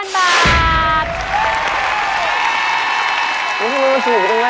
นี่มันสนุกจังแม่ละ